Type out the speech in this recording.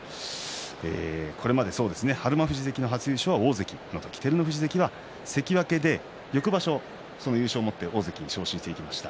これまで日馬富士関の初優勝は大関の時、照ノ富士関が関脇で翌場所はその優勝を持って大関に昇進してきました。